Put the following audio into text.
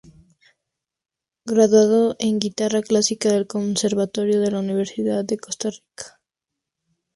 Graduado en guitarra clásica del Conservatorio de la Universidad de Costa Rica.